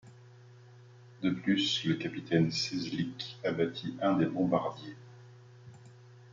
De plus, le capitaine Wcezlik abattit un des bombardiers.